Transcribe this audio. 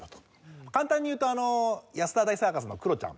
簡単に言うと安田大サーカスのクロちゃん。